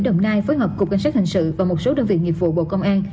đồng nai phối hợp cục cảnh sát hình sự và một số đơn vị nghiệp vụ bộ công an